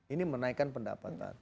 ini menaikkan pendapatan